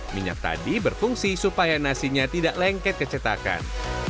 minyak tadi berfungsi supaya nasinya tidak lengket ke cetakan